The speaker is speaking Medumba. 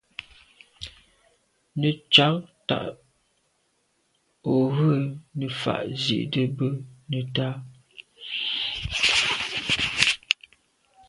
Nə̀ cǎ tǎ ú rə̌ nə̀ fà’ zí’də́ bə́ nə̀tá.